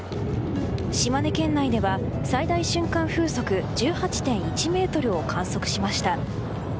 島根県内では最大瞬間風速１８．１メートルを観測しました。